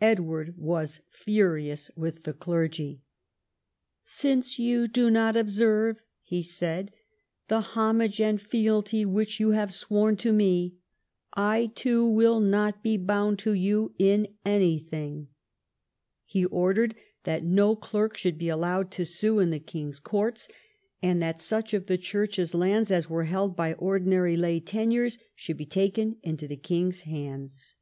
Edward was furious Avith the clergy, " Since you do not observe," he said, " the homage and fealty which you have sworn to me, I too will not be bound to you in anything," He ordered that no clerk should be allowed to sue in the king's courts, and that such of the Church's lands as were held by ordinary lay tenures should be taken into the king's hands.